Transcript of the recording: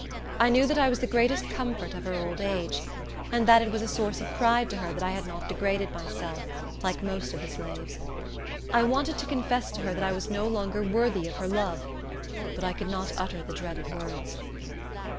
I knew that I was the greatest comfort of her old age, and that it was a source of pride to her that I had not degraded myself, like most of the slaves. I wanted to confess to her that I was no longer worthy of her love; but I could not utter the dreaded words.